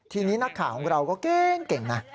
ทีนี้นักข่าวของเราก็เก่งนะ